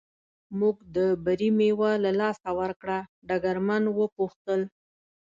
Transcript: موږ د بري مېوه له لاسه ورکړه، ډګرمن و پوښتل.